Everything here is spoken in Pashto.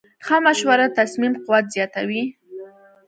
ښه مشوره د تصمیم قوت زیاتوي.